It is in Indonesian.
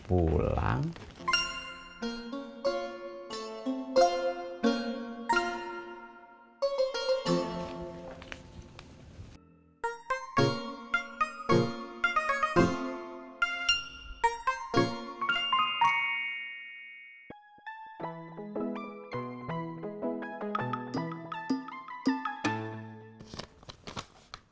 itu eh kan ugly